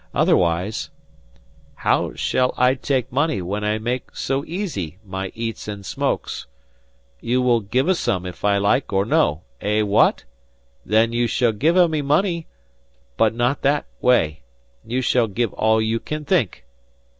Otherwise "How shall I take money when I make so easy my eats and smokes? You will giva some if I like or no? Eh, wha at? Then you shall giva me money, but not that way. You shall giva all you can think."